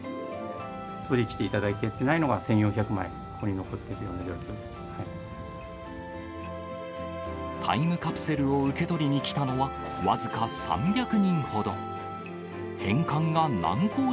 取りに来ていただけてないのが、１４００枚、ここに残っていタイムカプセルを受け取りに来たのは、僅か３００人ほど。